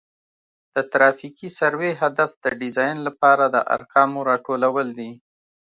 د ترافیکي سروې هدف د ډیزاین لپاره د ارقامو راټولول دي